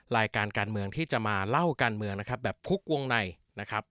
การเมืองที่จะมาเล่าการเมืองนะครับแบบทุกวงในนะครับ